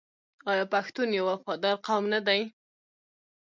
آیا پښتون یو وفادار قوم نه دی؟